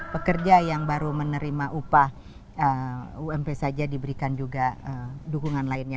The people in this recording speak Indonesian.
pekerja yang baru menerima upah ump saja diberikan juga dukungan lainnya